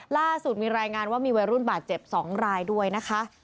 ล่าสุดมีรายงานว่ามีวัยรุ่นบาดเจ็บ๒รายด้วยนะคะ